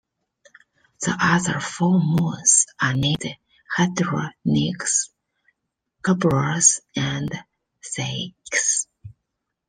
The other four moons are named Hydra, Nix, Kerberos, and Styx.